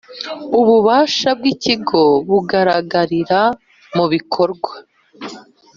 Ububasha bw Ikigo bugaragarira mu bikorwa